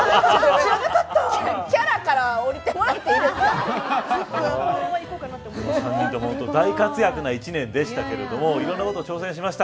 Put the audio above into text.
キャラから３人とも大活躍な１年でしたがいろんなことに挑戦しました。